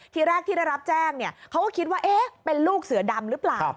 ทีแรกที่ได้รับแจ้งเขาก็คิดว่าเป็นลูกเสือดำหรือเปล่า